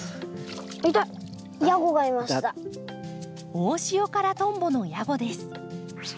オオシオカラトンボのヤゴです。